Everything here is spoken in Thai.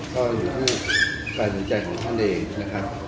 ก็อยู่ผู้ประสิทธิ์ใจของท่านเองนะครับ